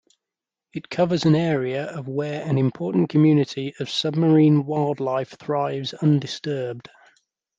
It covers an area of where an important community of submarine wildlife thrives undisturbed.